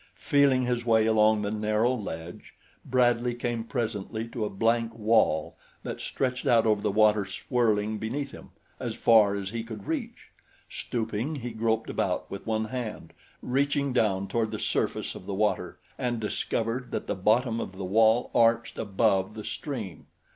Feeling his way along the narrow ledge, Bradley came presently to a blank wall that stretched out over the water swirling beneath him, as far as he could reach. Stooping, he groped about with one hand, reaching down toward the surface of the water, and discovered that the bottom of the wall arched above the stream.